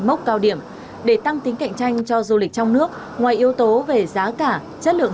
mốc cao điểm để tăng tính cạnh tranh cho du lịch trong nước ngoài yếu tố về giá cả chất lượng